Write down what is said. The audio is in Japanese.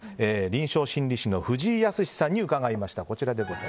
臨床心理士の藤井靖さんに伺いました。